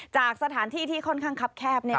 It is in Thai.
จากสถานที่ที่ค่อนข้างคับแคบ